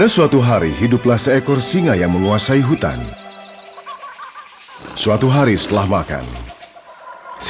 sisinga dan sitikus